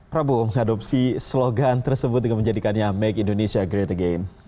prabowo mengadopsi slogan tersebut dengan menjadikannya make indonesia great again